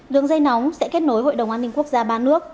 đường dây nóng sẽ kết nối hội đồng an ninh quốc gia ba nước